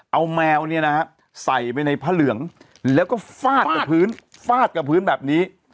เอาแมวเนี่ยนะฮะใส่ไปในพระเหลืองแล้วก็ฟาดกับพื้นฟาดกับพื้นแบบนี้